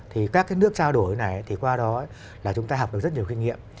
thì các cái nước trao đổi này thì qua đó là chúng ta học được rất nhiều kinh nghiệm